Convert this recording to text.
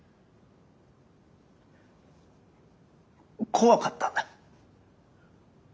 怖かったんだ。